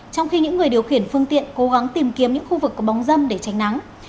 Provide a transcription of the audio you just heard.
trong khi những người điều khiển phương tiện cố gắng tìm kiếm những khu vực có bóng dâm để tránh nắng